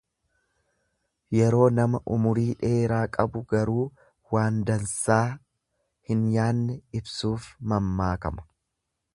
Yeroo nama umurii dheeraa qabu garuu waan dansaa hin yaanne ibsuuf mammaakama.